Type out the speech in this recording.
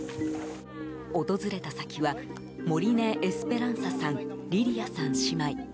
訪れた先はモリネ・エスペランサさんリディアさん姉妹。